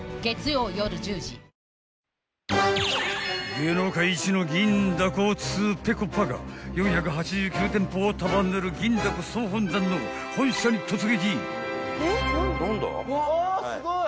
［芸能界一の銀だこ通ぺこぱが４８９店舗を束ねる銀だこ総本山の本社に突撃］